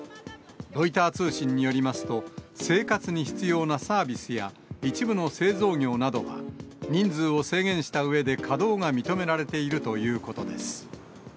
ロイター通信によりますと、生活に必要なサービスや、一部の製造業などは、人数を制限したうえで稼働が認められているということです。